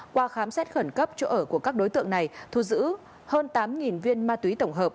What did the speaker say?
qua khám xét khẩn cấp chỗ ở của các đối tượng này thu giữ hơn tám viên ma túy tổng hợp